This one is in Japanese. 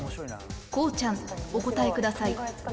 こうちゃんお答えください